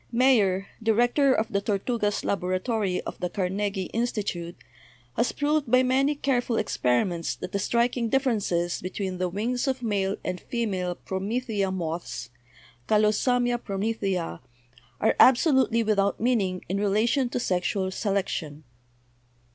Mayer, director of the Tortugas laboratory of the Carnegie Institute, has proved by many careful experi ments that the striking differences between the wings of male and female promethea moths, 'Callosamia promethea/ are absolutely without meaning in relation to sexual se lection.